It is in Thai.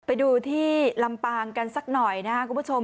ไปดูที่ลำปางกันสักหน่อยนะครับคุณผู้ชม